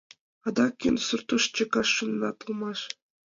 — Адак кӧн суртыш чыкаш шоненат улмаш?